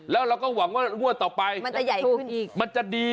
แล้วเราก็หวังว่างวดต่อไปมันจะใหญ่ขึ้นอีกมันจะดี